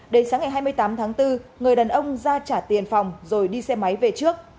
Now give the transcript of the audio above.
đến sáng ngày hai mươi tám tháng bốn người đàn ông ra trả tiền phòng rồi đi xe máy về trước